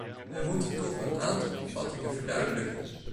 Wij moeten toch een aantal opvattingen verduidelijken.